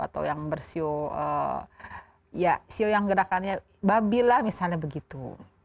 atau yang bersio ya sio yang gerakannya babi lah misalnya begitu